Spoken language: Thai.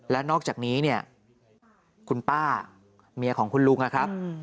และนอกจากนี้เนี่ยคุณป้าเมียของคุณลุงนะครับ